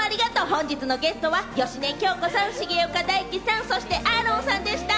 本日のゲストは芳根京子さん、重岡大毅さん、そしてＡＡＲＯＮさんでした！